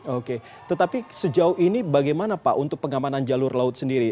oke tetapi sejauh ini bagaimana pak untuk pengamanan jalur laut sendiri